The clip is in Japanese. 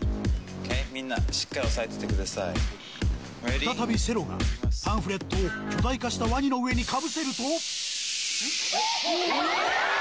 「再びセロがパンフレットを巨大化したワニの上にかぶせると」